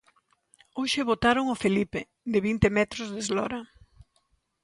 Hoxe botaron o Felipe, de vinte metros de eslora.